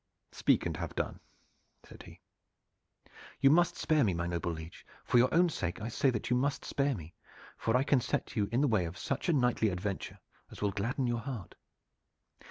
"Speak and have done," said he. "You must spare me, my noble liege. For your own sake I say that you must spare me, for I can set you in the way of such a knightly adventure as will gladden your heart.